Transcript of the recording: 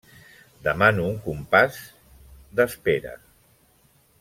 -Demano un compàs d'espera…